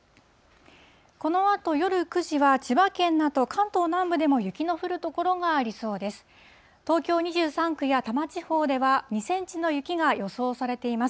このあと夜９時は、千葉県など関東南部でも雪の降る所がありそうです。